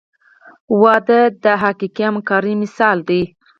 • واده د حقیقي همکارۍ مثال دی.